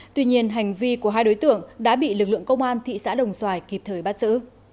tuy nhiên hành vi của hai đối tượng đã bị lực lượng công an thị xã đồng xoài kịp thời bắt xử